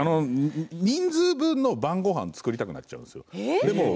人数分の晩ごはんを作りたくなってしまうんですよ。